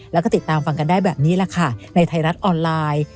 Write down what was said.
แล้วก็ติดตามฟังกันได้แบบนี้แหละค่ะในไทยรัฐออนไลน์